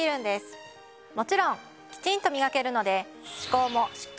もちろんきちんとみがけるので。